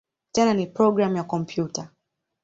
Tena ni programu ya kompyuta.